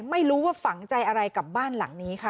ไม่รู้ว่าฝังใจอะไรกับบ้านหลังนี้ค่ะ